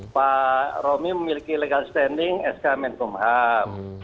pak romy memiliki legal standing sk mentum ham